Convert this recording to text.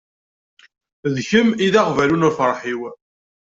D kemm i d aɣbalu n lferḥ-iw.